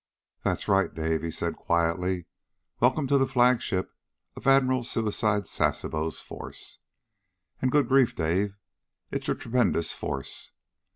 "That's right, Dave," he said quietly. "Welcome to the flagship of Admiral Suicide Sasebo's force. And, good grief, Dave! It's a tremendous force!